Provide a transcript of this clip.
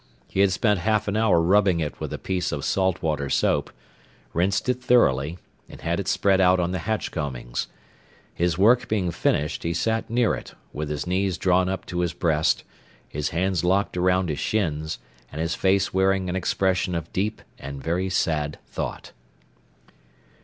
He had spent half an hour rubbing it with a piece of salt water soap, rinsed it thoroughly, and had it spread out on the hatch combings. His work being finished, he sat near it, with his knees drawn up to his breast, his hands locked around his shins, and his face wearing an expression of deep and very sad thought.